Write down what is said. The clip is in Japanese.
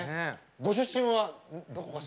ご出身はどこかしら？